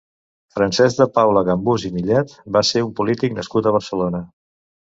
Francesc de Paula Gambús i Millet va ser un polític nascut a Barcelona.